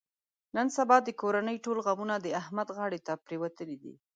نن سبا د کورنۍ ټول غمونه د احمد غاړې ته پرېوتلي دي.